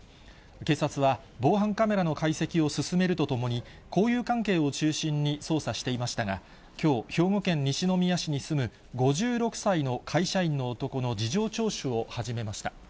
警察は、防犯カメラの解析を進めるとともに、交友関係を中心に捜査していましたが、きょう、兵庫県西宮市に住む５６歳の会社員の男の事情聴取を始めました。